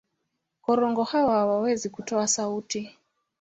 Korongo hawa hawawezi kutoa sauti.